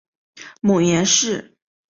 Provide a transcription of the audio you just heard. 母颜氏。